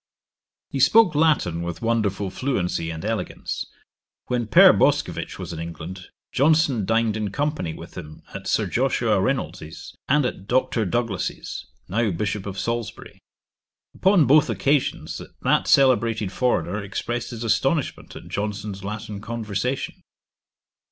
He spoke Latin with wonderful fluency and elegance. When Pere Boscovich was in England, Johnson dined in company with him at Sir Joshua Reynolds's, and at Dr. Douglas's, now Bishop of Salisbury. Upon both occasions that celebrated foreigner expressed his astonishment at Johnson's Latin conversation.